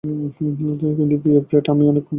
কিন্তু প্রিয় ফ্রেড, আমি অনেক বোকা।